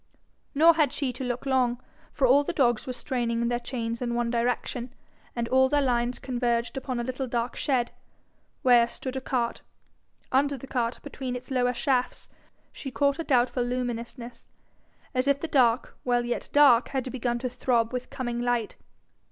Nor had she to look long, for all the dogs were straining their chains in one direction, and all their lines converged upon a little dark shed, where stood a cart: under the cart, between its lower shafts, she caught a doubtful luminousness, as if the dark while yet dark had begun to throb with coming light.